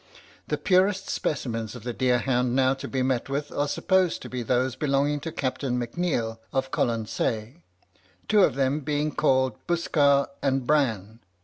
The purest specimens of the deer hound now to be met with are supposed to be those belonging to Captain M'Neill of Colonsay, two of them being called Buskar and Bran.